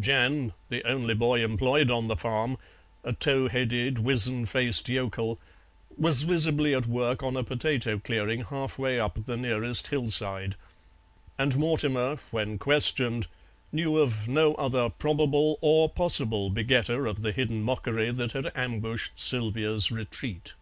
Jan, the only boy employed on the farm, a towheaded, wizen faced yokel, was visibly at work on a potato clearing half way up the nearest hill side, and Mortimer, when questioned, knew of no other probable or possible begetter of the hidden mockery that had ambushed Sylvia's retreat.